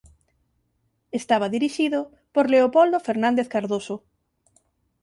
Estaba dirixido por Leopoldo Fernández Cardoso.